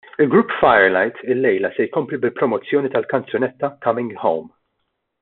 Il-grupp Firelight illejla se jkompli bil-promozzjoni tal-kanzunetta Coming Home.